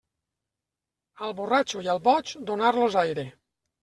Al borratxo i al boig, donar-los aire.